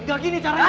gak gini caranya